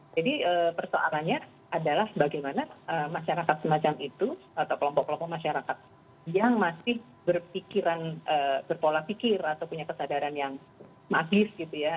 jadi persoalannya adalah bagaimana masyarakat semacam itu atau kelompok kelompok masyarakat yang masih berpikiran berpola pikir atau punya kesadaran yang magis gitu ya